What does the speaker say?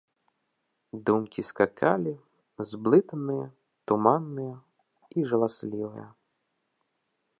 Думкі скакалі, зблытаныя, туманныя і жаласлівыя.